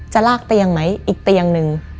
จะลากเตียงไหมอีกเตียงหนึ่ง